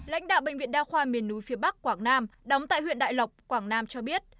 lãnh đạo bệnh viện đa khoa miền núi phía bắc quảng nam đóng tại huyện đại lộc quảng nam cho biết